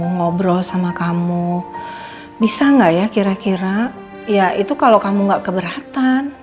ngobrol sama kamu bisa nggak ya kira kira ya itu kalau kamu nggak keberatan